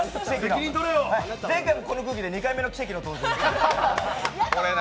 前回もこの空気で２回目の登場です。